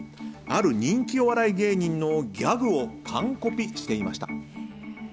ある人気お笑い芸人のギャグを完コピしていました。